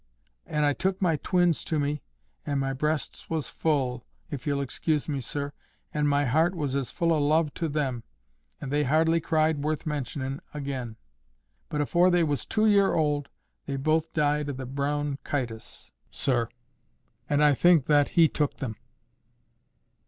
And I took my twins to me, and my breasts was full, if ye'll excuse me, sir. And my heart was as full o' love to them. And they hardly cried worth mentionin' again. But afore they was two year old, they both died o' the brown chytis, sir. And I think that He took them."